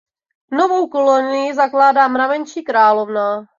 Novou kolonii zakládá mravenčí královna.